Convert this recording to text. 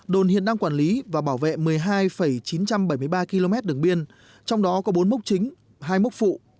đồn hiện đang quản lý và bảo vệ một mươi hai chín trăm bảy mươi ba km đường biên trong đó có bốn mốc chính hai mốc phụ